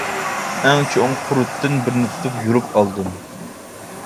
ئەڭ چوڭ قۇرۇتتىن بىرنى تۇتۇپ يۇلۇپ ئالدىم.